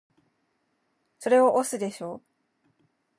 それは押忍でしょ